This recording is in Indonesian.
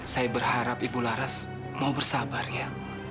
saya berharap ibu laras mau bersabar ya